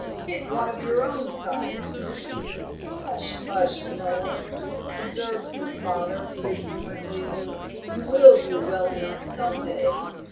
"Hit one of your own size, miss." "Hush, hush, Noel!" observed his father, good humouredly. "You will do well enough some day.